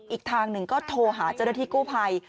อีกทางหนึ่งก็โทรหาเจ้าหน้าที่กู้ภัย